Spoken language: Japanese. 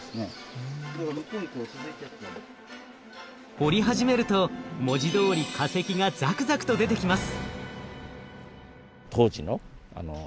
掘り始めると文字どおり化石がザクザクと出てきます。